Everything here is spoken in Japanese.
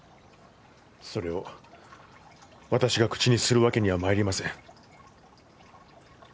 それを私が口にするわけにはまいりません。